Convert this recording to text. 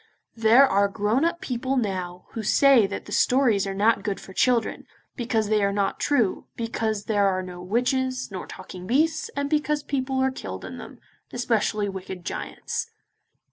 There are grown up people now who say that the stories are not good for children, because they are not true, because there are no witches, nor talking beasts, and because people are killed in them, especially wicked giants.